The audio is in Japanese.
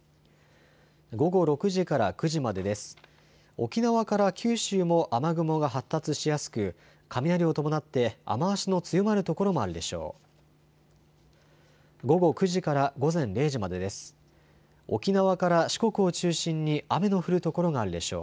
沖縄から九州も雨雲が発達しやすく雷を伴って雨足の強まる所もあるでしょう。